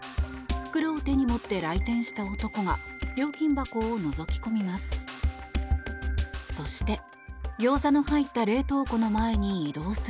袋を手に持って来店した男が料金箱をのぞき込みます。